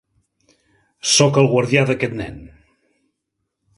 Soc el guardià d"aquest nen.